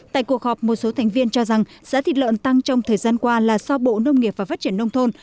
tại cuộc họp một số thành viên cho rằng giá thịt lợn tăng trong thời gian qua là do bộ nông nghiệp và phát triển nông thôn